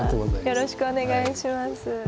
よろしくお願いします。